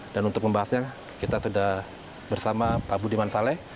dan untuk membahasnya kita sudah bersama pak budiman saleh